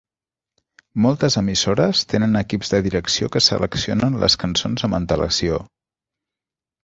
Moltes emissores tenen equips de direcció que seleccionen les cançons amb antelació.